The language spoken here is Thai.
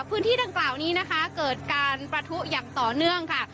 พื้นที่ดังกล่าวนี้นะคะเกิดการประทุอย่างต่อเนื่องค่ะ